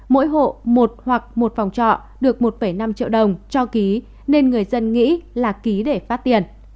mỗi hộ một hoặc một phòng trọ được một năm triệu đồng cho ký nên người dân nghĩ là ký để phát tiền